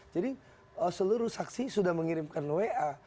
jadi seluruh saksi sudah mengirimkan wa